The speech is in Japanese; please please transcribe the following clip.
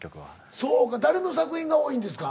そうか誰の作品が多いんですか？